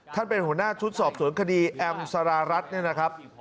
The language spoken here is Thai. เป็นหัวหน้าชุดสอบสวนคดีแอมสารารัฐเนี่ยนะครับ